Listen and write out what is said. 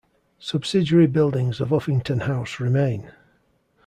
Subsidiary buildings of Uffington House remain.